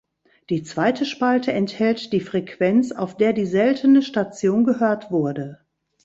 Die zweite Spalte enthält die Frequenz, auf der die seltene Station gehört wurde.